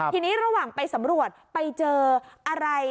ทีนี้ระหว่างไปสำรวจไปเจออะไร